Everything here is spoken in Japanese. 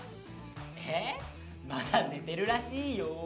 えっまだ寝てるらしいよ。